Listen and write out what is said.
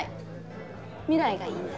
未来がいいんだ。